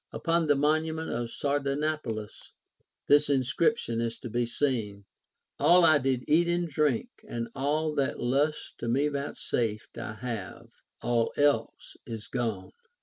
Upon the monument of Sardanapalus this inscription is to be seen :— OF ALEXANDER THE GREAT. 485 All I did eat and drink, and all that lust To me vouchsafed, I have ; all else is gone.